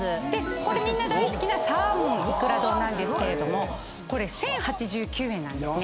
これみんな大好きなサーモンいくら丼なんですけれどもこれ１，０８９円なんですね。